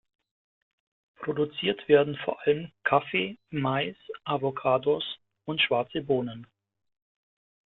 Produziert werden vor allem Kaffee, Mais, Avocados und schwarze Bohnen.